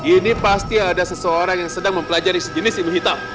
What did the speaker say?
ini pasti ada seseorang yang sedang mempelajari sejenis ilmu hitam